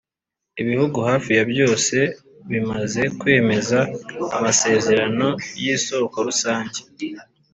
Ibihugu hafi ya byose bimaze kwemeza amasezerano y’isoko rusange